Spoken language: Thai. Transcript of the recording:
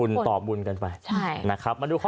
บุญตอบบุญกันไปนะครับ